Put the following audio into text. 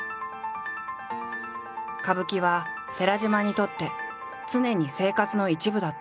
歌舞伎は寺島にとって常に生活の一部だった。